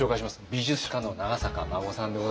美術家の長坂真護さんでございます。